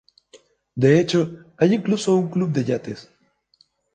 De hecho, hay incluso un club de yates.